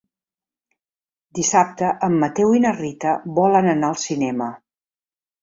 Dissabte en Mateu i na Rita volen anar al cinema.